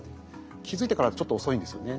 気付いてからだとちょっと遅いんですよね。